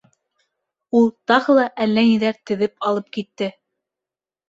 — Ул тағы әллә ниҙәр теҙеп алып китте.